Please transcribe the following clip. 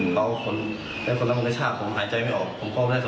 เขาบอกว่าให้ผมขอโทษเขาเพราะว่าถึงมาคนเดียว